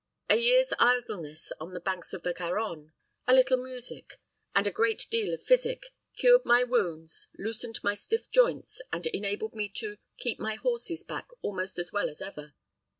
A year's idleness on the banks of the Garonne, a little music, and a great deal of physic, cured my wounds, loosened my stiff joints, and enabled me to keep my horses back almost as well as ever.